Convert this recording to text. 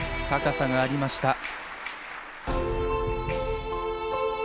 高さがありました。